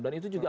dan itu juga